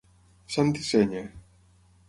Sant i senya.